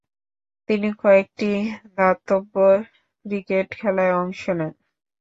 তিনি কয়েকটি দাতব্য ক্রিকেট খেলায় অংশ নেন।